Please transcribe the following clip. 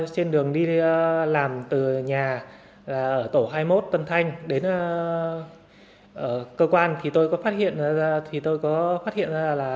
trên đường đi làm từ nhà tổ hai mươi một tân thanh đến cơ quan thì tôi có phát hiện ra là